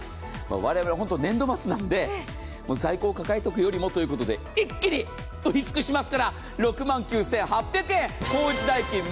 我々、年度末なので在庫を抱えておくよりもということで、一気に売り尽くします。